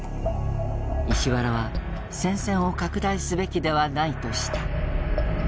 石原は戦線を拡大すべきではないとした。